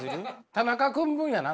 田中君分やな！